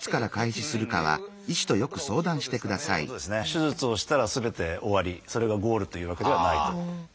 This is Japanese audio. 手術をしたらすべて終わりそれがゴールというわけではないと。